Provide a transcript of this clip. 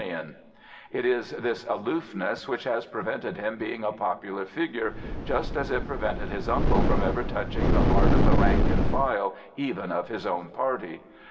B S9 Prophets, Priests, and Kings It is this aloofness which has prevented him being a popular figure, just as it prevented his uncle from ever touching the heart of the rank and file even of his own party.